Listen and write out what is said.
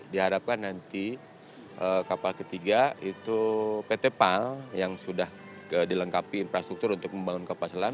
diharapkan nanti kapal ketiga itu pt pal yang sudah dilengkapi infrastruktur untuk membangun kapal selam